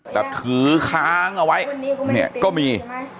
แบบถือค้างเอาไว้เนี่ยก็มี